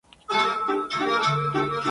Salve a la Virgen.